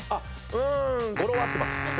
うーん語呂は合ってます。